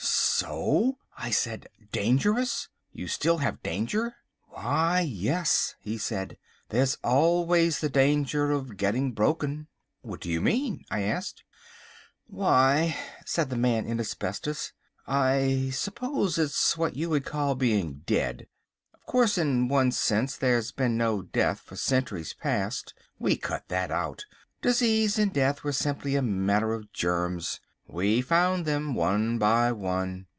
"So!" I said. "Dangerous! You still have danger?" "Why, yes," he said, "there's always the danger of getting broken." "What do you mean," I asked. "Why," said the Man in Asbestos, "I suppose it's what you would call being dead. Of course, in one sense there's been no death for centuries past; we cut that out. Disease and death were simply a matter of germs. We found them one by one.